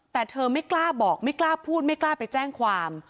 แต่เธอไม่กล้าบอกไม่กล้าพูดไม่กล้าไปแจ้งความ